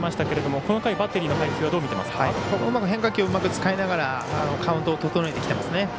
ここはうまく変化球を使いながらカウントを整えてきてますね。